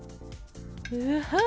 うはっ！